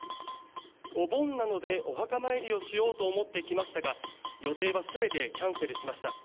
お盆なのでお墓参りをしようと思って来ましたが予定はすべてキャンセルしました。